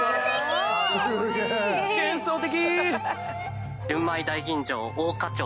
幻想的！